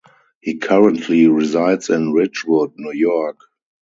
He currently resides in Ridgewood, New York.